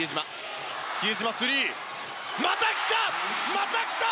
またきた！